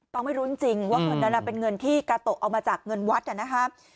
ตองไม่รู้จริงจริงว่าเหมือนนั้นนะเป็นเงินที่กาโตะเอามาจากเงินวัดอ่ะนะคะ